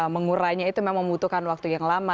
mengurainya itu memang membutuhkan waktu yang lama